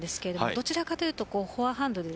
どちらかというとフォアハンドで